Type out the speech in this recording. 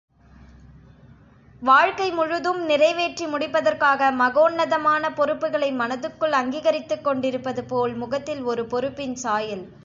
வாழ்க்கை முழுதும் நிறைவேற்றி முடிப்பதற்காக மகோன்னதமான பொறுப்புக்களை மனத்துக்குள் அங்கீகரித்துக் கொண்டிருப்பதுபோல் முகத்தில் ஒரு பொறுப்பின் சாயல்.